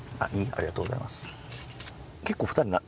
ありがとうございます。